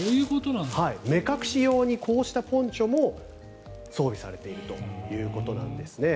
目隠し用にこうしたポンチョも装備されているということです。